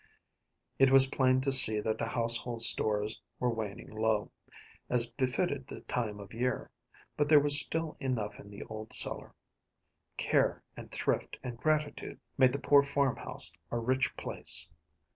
It was plain to see that the household stores were waning low, as befitted the time of year, but there was still enough in the old cellar. Care and thrift and gratitude made the poor farmhouse a rich place.